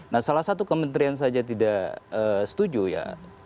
nah salah satu kementerian saja tidak setuju ya